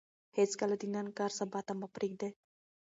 هېڅکله د نن کار سبا ته مه پرېږدئ.